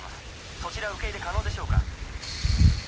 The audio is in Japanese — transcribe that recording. そちら受け入れ可能ですか？